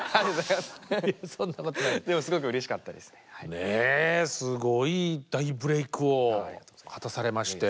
ねえすごい大ブレークを果たされまして。